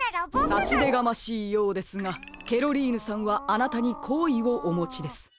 さしでがましいようですがケロリーヌさんはあなたにこういをおもちです。